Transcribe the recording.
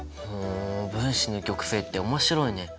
分子の極性って面白いね。